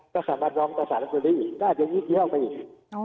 ก็สามารถลองตัวสารัทนุรีอีกก็อาจจะหยุ่งไปอีก